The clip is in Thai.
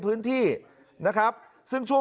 พระอยู่ที่ตะบนมไพรครับ